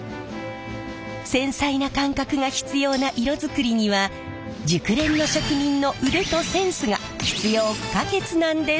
繊細な感覚が必要な色作りには熟練の職人の腕とセンスが必要不可欠なんです！